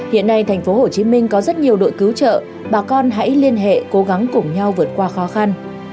hiện nay tp hcm có rất nhiều đội cứu trợ bà con hãy liên hệ cố gắng cùng nhau vượt qua khó khăn